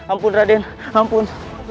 ampun raden ampun